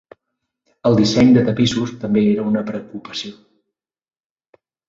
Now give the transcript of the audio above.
El disseny de tapissos també era una preocupació.